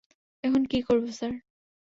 এখন কী করব, স্যার?